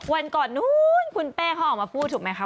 วันก่อนนู้นคุณเป้เขาออกมาพูดถูกไหมคะ